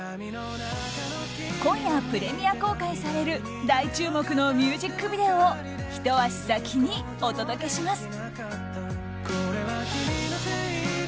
今夜プレミアム公開される大注目のミュージックビデオをひと足先にお届けします。